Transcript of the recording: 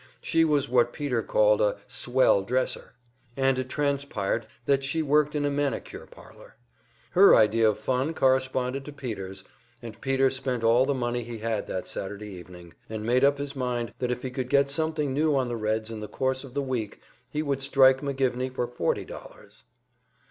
She was what Peter called a "swell dresser," and it transpired that she worked in a manicure parlor. Her idea of fun corresponded to Peter's, and Peter spent all the money he had that Saturday evening, and made up his mind that if he could get something new on the Reds in the course of the week, he would strike McGivney for forty dollars.